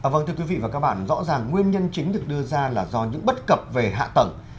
vâng thưa quý vị và các bạn rõ ràng nguyên nhân chính được đưa ra là do những bất cập về hạ tầng